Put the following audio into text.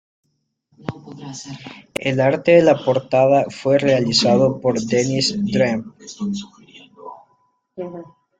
El arte de la portada fue realizado por Dennis Dread.